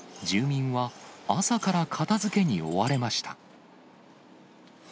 住民は、朝から片づけに追われました。